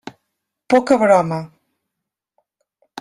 Poca broma.